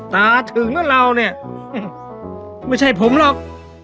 ตาถึงแล้วเราเนี่ยไม่ใช่ผมหรอก